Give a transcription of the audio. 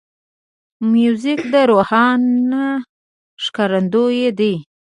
موزیک د روحانه ښکارندوی دی.